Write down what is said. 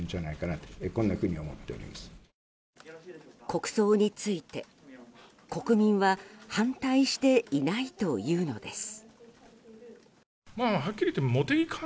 国葬について、国民は反対していないというのです。